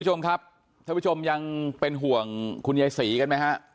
คุณผู้ชมครับท่านผู้ชมยังเป็นห่วงคุณยายศรีกันไหมฮะ